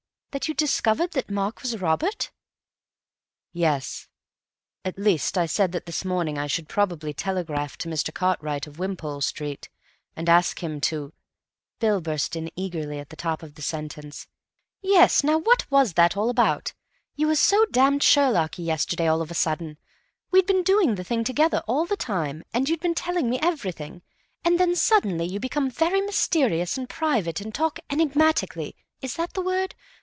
That you'd discovered that Mark was Robert?" "Yes. At least I said that this morning I should probably telegraph to Mr. Cartwright of Wimpole Street, and ask him to—" Bill burst in eagerly on the top of the sentence. "Yes, now what was all that about? You were so damn Sherlocky yesterday all of a sudden. We'd been doing the thing together all the time, and you'd been telling me everything, and then suddenly you become very mysterious and private and talk enigmatically—is that the word?